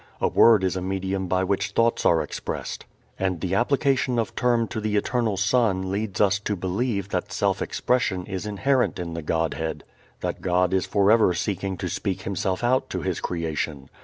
A word is a medium by which thoughts are expressed, and the application of term to the Eternal Son leads us to believe that self expression is inherent in the Godhead, that God is forever seeking to speak Himself out to His creation.